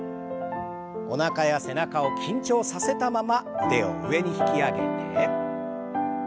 おなかや背中を緊張させたまま腕を上に引き上げて。